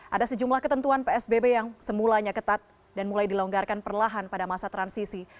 ada sejumlah ketentuan psbb yang semulanya ketat dan mulai dilonggarkan perlahan pada masa transisi